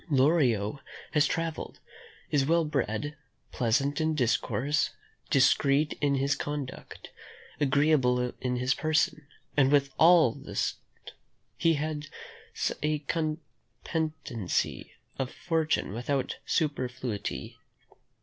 Lorio has travelled, is well bred, pleasant in discourse, discreet in his conduct, agreeable in his person; and, with all this, he has a competency of fortune without superfluity.